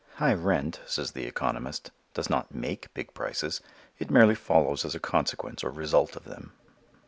High rent, says the economist, does not make big prices: it merely follows as a consequence or result of them.